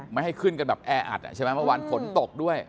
ไม่ให้ขึ้นกันแบบแออัดใช่ไหมเมื่อวานฝนตกด้วย